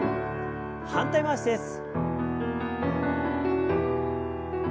反対回しです。